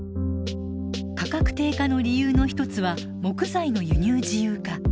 価格低下の理由の一つは木材の輸入自由化。